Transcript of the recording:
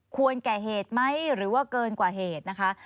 แก่เหตุไหมหรือว่าเกินกว่าเหตุนะคะ